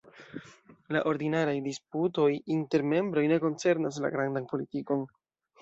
La ordinaraj disputoj inter membroj ne koncernas la grandan politikon.